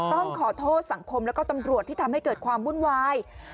ต้องขอโทษสังคมแล้วก็ตำรวจที่ทำให้เกิดความวุ่นวาย